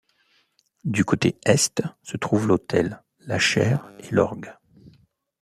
Du côté est se trouvent l'autel, la chaire et l'orgue.